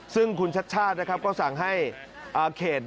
ซึ่งคุณชัชชาศก็สั่งให้เขต